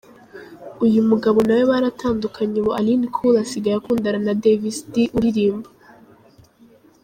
Uyu mugabo na we baratandukanye ubu Aline Cool asigaye akundana na Davis D uririmba.